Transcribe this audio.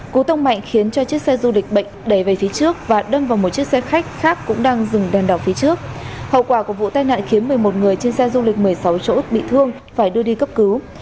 cú tông mạnh khiến cho chiếc xe du lịch bệnh đẩy về phía trước và đâm vào một chiếc xe khách khác cũng đang dừng đèn đỏ phía trước hậu quả của vụ tai nạn khiến một mươi một người trên xe du lịch một mươi sáu chỗ bị thương phải đưa đi cấp cứu